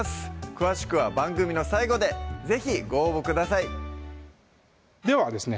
詳しくは番組の最後で是非ご応募くださいではですね